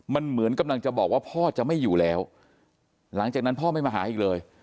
มันเหมือนกำลังจะบอกว่าพ่อจะไม่อยู่แล้วหลังจากนั้นพ่อไม่มาหาอีกเลย